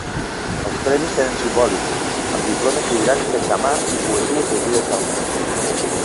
Els premis eren simbòlics, amb diplomes lliurats fets a mà i poesies llegides al moment.